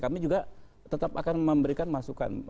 kami juga tetap akan memberikan masukan